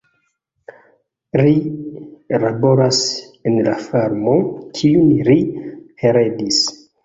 Ri laboras en la farmo, kiun ri heredis.